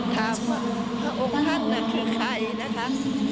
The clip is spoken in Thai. ถามว่าพระองค์ท่านคือใครนะคะ